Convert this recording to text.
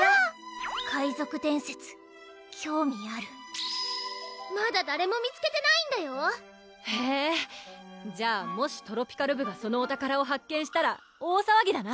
海賊伝説興味あるまだ誰も見つけてないんだよへぇじゃあもしトロピカる部がそのお宝を発見したら大さわぎだな！